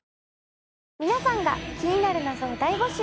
皆さんが気になる謎を大募集。